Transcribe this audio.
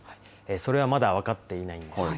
それはまだ分かっていないんです。